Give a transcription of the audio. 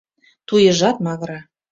Туйыжат магыра.